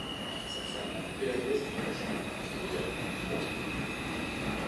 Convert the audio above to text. Sa femme est la nièce du maréchal Ōyama Iwao.